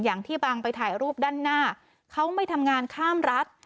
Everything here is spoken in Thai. อย่างที่บางไปถ่ายรูปด้านหน้าเขาไม่ทำงานข้ามรัฐ